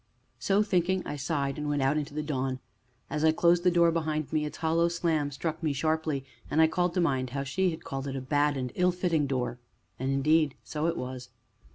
So thinking, I sighed and went out into the dawn; as I closed the door behind me its hollow slam struck me sharply, and I called to mind how she had called it a bad and ill fitting door. And indeed so it was.